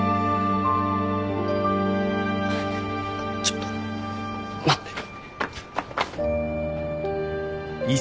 ちょっと待って。